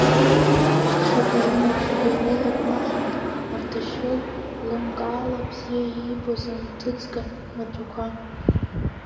Хьыбла лымаҭәақәа ирылакнаҳан, Ардашьыл лымкаала бзиа иибоз, анҭыҵга маҭәақәа.